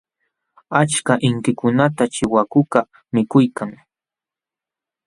Achka inkikunata chiwakukaq mikuykan.